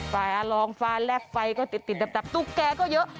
ลองฟ้าแลบไฟก็ติดดับตุ๊กแกก็เยอะ